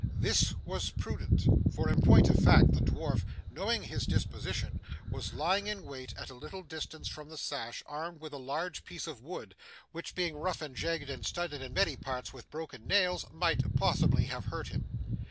This was prudent, for in point of fact, the dwarf, knowing his disposition, was lying in wait at a little distance from the sash armed with a large piece of wood, which, being rough and jagged and studded in many parts with broken nails, might possibly have hurt him.